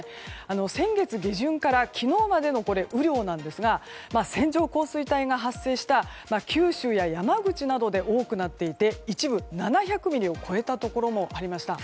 先月下旬から昨日までの雨量なんですが線状降水帯が発生した九州や山口などで多くなっていて一部７００ミリを超えたところもありました。